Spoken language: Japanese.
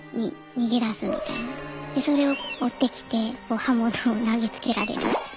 でそれを追ってきてこう刃物を投げつけられるっていう。